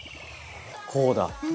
こうだ。